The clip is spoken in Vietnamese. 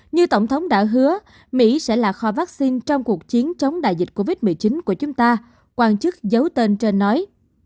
như tổng thống đã hứa mỹ sẽ là kho vaccine trong cuộc chiến chống đại dịch covid một mươi chín của chúng ta quan chức giấu tên trên nói